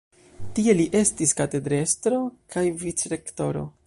Tie li estis katedrestro kaj vicrektoro.